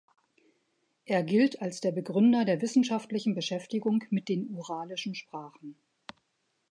Er gilt als der Begründer der wissenschaftlichen Beschäftigung mit den uralischen Sprachen.